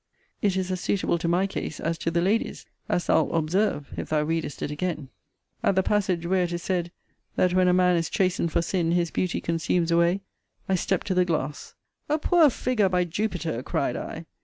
It is as suitable to my case, as to the lady's, as thou'lt observe, if thou readest it again.* At the passage where it is said, That when a man is chastened for sin, his beauty consumes away, I stept to the glass: A poor figure, by Jupiter, cried I!